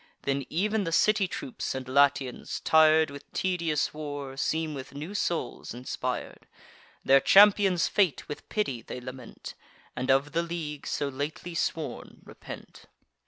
Then ev'n the city troops, and Latians, tir'd With tedious war, seem with new souls inspir'd: Their champion's fate with pity they lament, And of the league, so lately sworn, repent.